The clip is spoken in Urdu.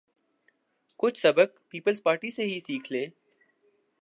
کچھ سبق پیپلزپارٹی سے ہی سیکھ لیں۔